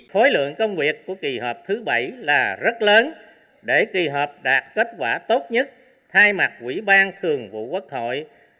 khối lượng công việc của kỳ họp thứ bảy là rất lớn để kỳ họp đạt kết quả tốt nhất thay mặt quỹ ban thường vụ quốc hội